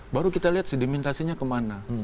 baru kita lihat sedimentasinya kemana